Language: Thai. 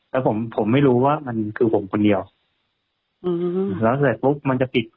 แต่ผมผมไม่รู้ว่ามันคือผมคนเดียวอืมแล้วเสร็จปุ๊บมันจะปิด